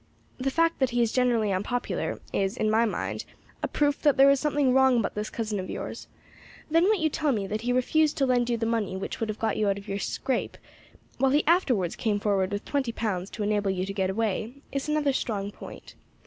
"The fact that he is generally unpopular is, in my mind, a proof that there is something wrong about this cousin of yours. Then what you tell me, that he refused to lend you the money which would have got you out of your scrape, while he afterwards came forward with twenty pounds to enable you to get away, is another strong point.